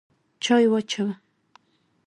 چای واچوه!